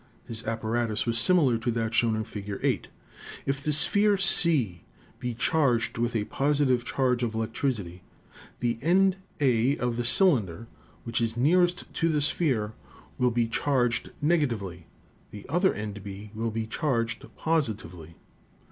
His apparatus was similar to that shown in Fig. 8. If the sphere C be charged with a positive charge of electricity the end A of the cylinder, which is nearest to the sphere, will be charged negatively, the other end B will be charged positively.